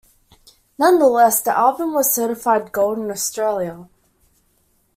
Nonetheless, the album was certified gold in Australia.